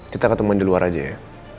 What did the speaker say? kita ketemu di luar aja ya